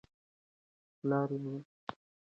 پلار یې ملحد دی.